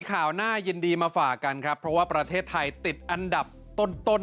น่ายินดีมาฝากกันครับเพราะว่าประเทศไทยติดอันดับต้นต้น